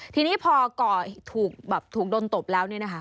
ทีนี้พอก่อถูกโดนตบแล้วเนี่ยนะคะ